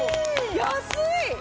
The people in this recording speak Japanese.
安い！